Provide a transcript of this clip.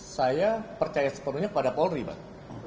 saya percaya sepenuhnya pada polri pak